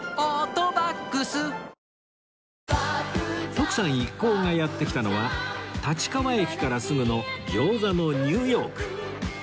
徳さん一行がやって来たのは立川駅からすぐの餃子のニューヨーク